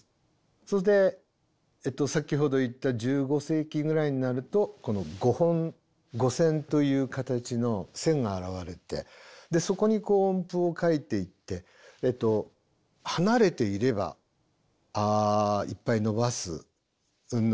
それで先ほど言った１５世紀ぐらいになるとこの５本五線という形の線が現れてでそこにこう音符を書いていって離れていれば「あ」いっぱい伸ばすうんぬんで。